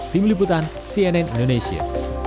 tim liputan cnn indonesia